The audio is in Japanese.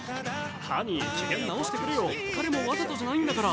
ハニー、機嫌直してくれよ、彼もわざとじゃないんだから。